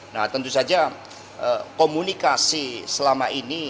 nah tentu saja komunikasi selama ini